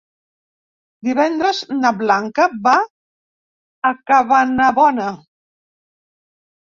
Divendres na Blanca va a Cabanabona.